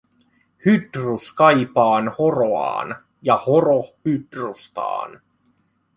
Hydrus kaipaan horoaan, ja horo Hydrustaan.